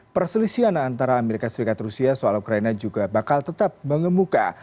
perselisihan antara amerika serikat rusia soal ukraina juga bakal tetap mengemuka